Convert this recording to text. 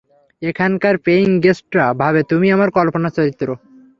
এখানকার পেয়িং গেস্টরা ভাবে তুমি আমার কল্পনার চরিত্র।